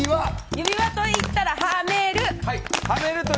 指輪といったら、はめる。